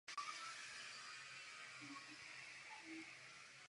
Svatba byla vzhledem k politické situaci prostá.